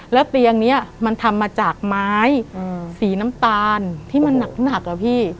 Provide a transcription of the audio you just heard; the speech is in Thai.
แล้วเตียงนี้มันทำมาจากไม้สีน้ำตาลที่มันหนักอะพี่